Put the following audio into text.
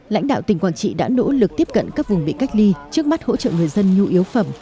lãnh đạo tỉnh quảng trị đã nỗ lực tiếp cận các vùng bị cách ly trước mắt hỗ trợ người dân nhu yếu phẩm